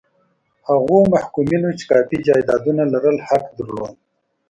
هغو محکومینو چې کافي جایدادونه لرل حق درلود.